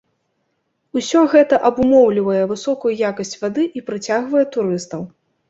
Усё гэта абумоўлівае высокую якасць вады і прыцягвае турыстаў.